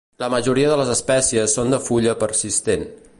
La majoria de les espècies són de fulla persistent.